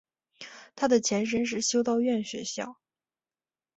它的前身是修道院学校。